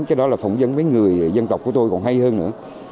cái đó là phỏng vấn với người dân tộc của tôi còn hay hơn nữa